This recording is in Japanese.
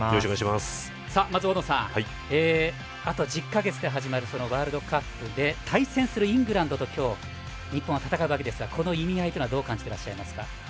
まず大野さんあと１０か月で始まるワールドカップで対戦するイングランドと今日、日本は戦うわけですがこの意味合いはどう感じてらっしゃいますか。